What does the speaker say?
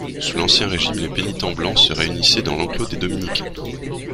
Sous l'ancien régime, les pénitents blancs se réunissaient dans l'enclos de Dominicains.